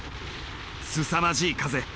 すさまじい風。